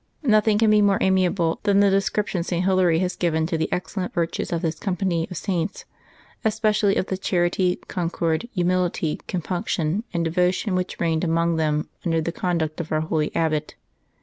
IsTothing can be more amiable than the description St. Hilary has given of the excellent virtues of this company of saints, especially of the charity, concord, humility, com punction, and devotion w^hich reigned among them under the conduct of our holy abbot.